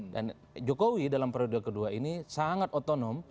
dan jokowi dalam periode kedua ini sangat otonom